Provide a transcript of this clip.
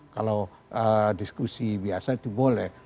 kalau diskusi biasa itu boleh